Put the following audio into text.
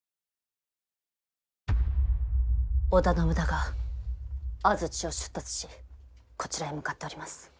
織田信長安土を出立しこちらへ向かっております。